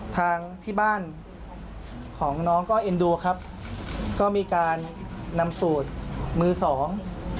ทางที่บ้านของน้องก็เอ็นดูครับก็มีการนำสูตรมือสอง